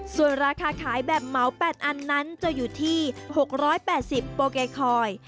ส่วนราคาขายแบบเหมา๘อันนั้นจะอยู่ที่๖๘๐โปแกคอย